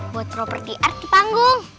buat properti art di panggung